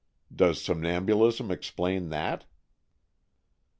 Does somnambulism explain that?"